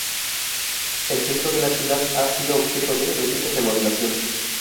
El centro de la ciudad ha sido objeto de recientes remodelaciones.